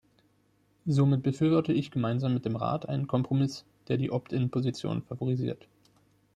Somit befürworte ich gemeinsam mit dem Rat einen Kompromiss, der die opt-in-Position favorisiert.